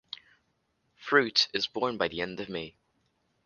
Fruit is born by the end of May.